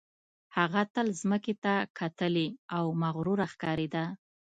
هغه تل ځمکې ته کتلې او مغروره ښکارېده